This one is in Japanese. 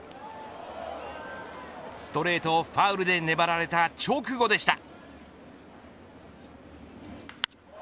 ストレートをファウルで粘られた直後でした。